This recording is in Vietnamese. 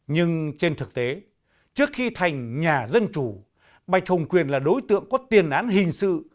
nhưng trên thực tế trước khi thành nhà dân chủ bạch hồng quyền là đối tượng có tiền án hình sự